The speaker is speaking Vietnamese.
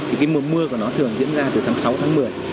thì cái mùa mưa của nó thường diễn ra từ tháng sáu tháng một mươi